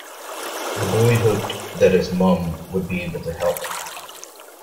The boy hoped that his mum would be able to help